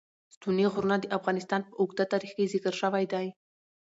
ستوني غرونه د افغانستان په اوږده تاریخ کې ذکر شوی دی.